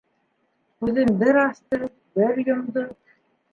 Күҙен бер асты, бер йомдо.